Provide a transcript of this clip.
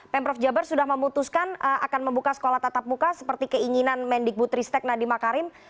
pemprov jabar sudah memutuskan akan membuka sekolah tatap muka seperti keinginan mendik butristek nadima karim